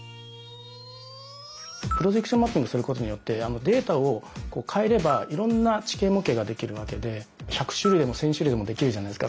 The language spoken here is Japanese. プロジェクションマッピングすることによってデータを変えればいろんな地形模型ができるわけで１００種類でも１，０００種類でもできるじゃないですか。